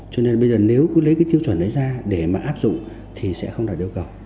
cho nên bây giờ nếu cứ lấy cái tiêu chuẩn đấy ra để mà áp dụng thì sẽ không đạt yêu cầu